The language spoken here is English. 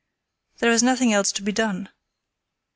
There is nothing else to be done."